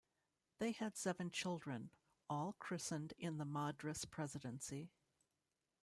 They had seven children, all christened in the Madras Presidency.